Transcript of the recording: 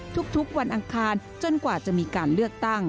ทุกวันอังคารจนกว่าจะมีการเลือกตั้ง